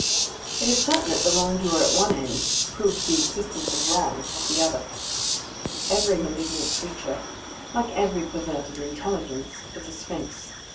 It is certain that the wrongdoer at one end proves the existence of wrong at the other. Every malignant creature, like every perverted intelligence, is a sphinx.